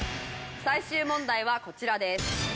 最終問題はこちらです。